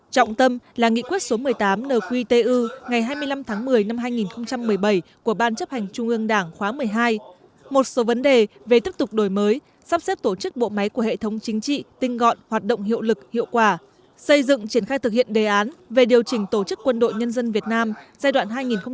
trọng tâm là nghị quyết số một mươi tám nqtu ngày hai mươi năm tháng một mươi năm hai nghìn một mươi bảy của ban chấp hành trung ương đảng khóa một mươi hai một số vấn đề về tiếp tục đổi mới sắp xếp tổ chức bộ máy của hệ thống chính trị tinh gọn hoạt động hiệu lực hiệu quả xây dựng triển khai thực hiện đề án về điều chỉnh tổ chức quân đội nhân dân việt nam giai đoạn hai nghìn một mươi sáu hai nghìn hai mươi